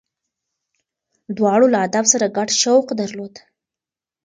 دواړو له ادب سره ګډ شوق درلود.